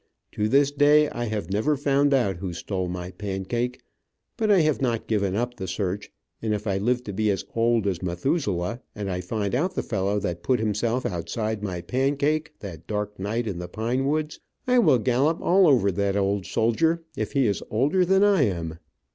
To this day I have never found out who stole my pancake, but I have not given up the search, and if I live to be as old as Methuselah, and I find out the fellow that put himself outside my pancake that dark night in the pine woods, I will gallop all over that old soldier, if he is older than I am.